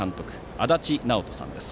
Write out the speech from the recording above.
足達尚人さんです。